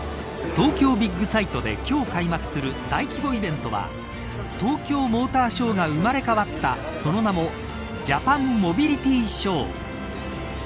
東京ビッグサイトで今日開幕する大規模イベントは東京モーターショーが生まれ変わったその名もジャパンモビリティショー。